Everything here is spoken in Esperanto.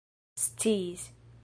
sciis